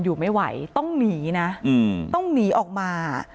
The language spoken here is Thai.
อยู่ไม่ไหวต้องหนีนะต้องหนีออกมา